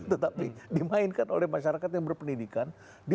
tetapi dimainkan oleh masyarakat yang berpendidikan